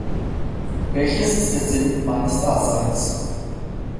Welches ist der Sinn meines Daseins?